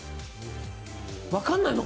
分からないのか。